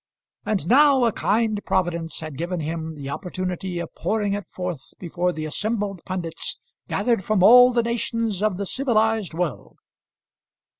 And now a kind Providence had given him the opportunity of pouring it forth before the assembled pundits gathered from all the nations of the civilised world.